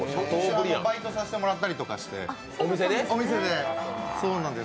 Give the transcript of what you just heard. バイトさせてもらったりして、お店で。